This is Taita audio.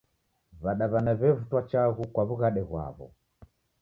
W'adaw'ana w'evutwa chaghu kwa wughade ghw'o